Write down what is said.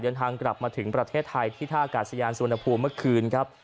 เดินทางกลับมาถึงประเทศไทยที่ท่ากาศยานสุวรรณภูมิเมื่อคืนครับ